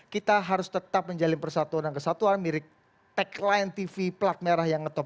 kita harus tetap menjalin persatuan dan kesatuan mirip tagline tv pelat merah yang ngetop